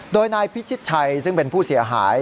โดยนายพิชิตชัยซึ่งเป็นผู้เสียหาย